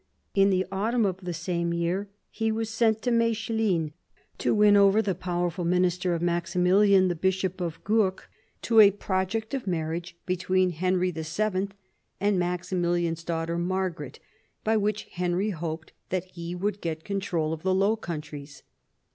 In the autumn of the same year he was sent to Mechlin to win over the powerful minister of Maximilian, the Bishop of Gurk, to a pro ject of marriage between Henry VII. and Maximilian's daughter Margaret, by which Henry hoped that he would get control of the Low Countries.